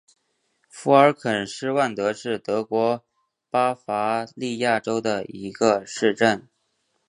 福尔肯施万德是德国巴伐利亚州的一个市镇。